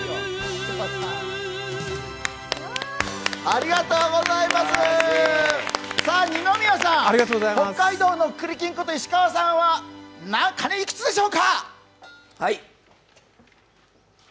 ありがとうございます二宮さん、北海道のクリキンこと石川さんは何鐘、いくつでしょうか？